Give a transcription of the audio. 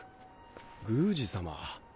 宮司様。